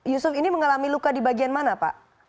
yusuf ini mengalami luka di bagian mana pak